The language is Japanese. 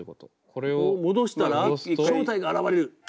これを戻したら正体が現れる。